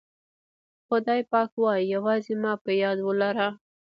خدای پاک وایي یوازې ما په یاد ولره.